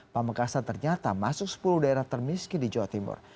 pamekasan ternyata masuk sepuluh daerah termiskin di jawa timur